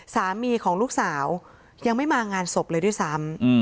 สามีของลูกสาวยังไม่มางานศพเลยด้วยซ้ำ